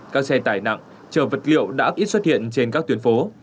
các xe tải nặng chở vật liệu đã ít xuất hiện trên các tuyến phố